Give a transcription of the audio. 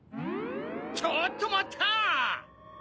ちょっとまった！